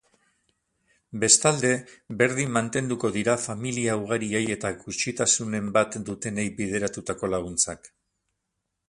Bestalde, berdin mantenduko dira familia ugariei eta gutxitasunen bat dutenei bideratutako laguntzak.